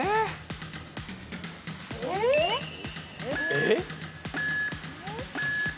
えっ？